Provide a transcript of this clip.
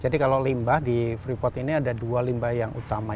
jadi kalau limbah di freeport ini ada dua limbah yang utama